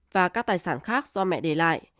và các tài sản khác do mẹ để lại